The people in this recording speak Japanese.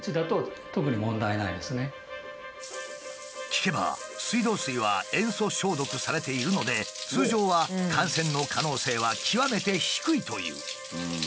聞けば水道水は塩素消毒されているので通常は感染の可能性は極めて低いという。